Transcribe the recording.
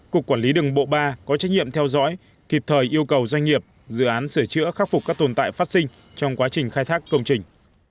cục quản lý đường bộ ba có trách nhiệm theo dõi kịp thời yêu cầu doanh nghiệp dự án sửa chữa khắc phục các tồn tại phát sinh trong quá trình khai thác công trình